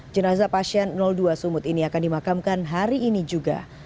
jenazah pasien dua sumut ini akan dimakamkan hari ini juga